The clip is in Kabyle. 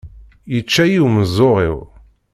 Yečča-yi umeẓẓuɣ-iw.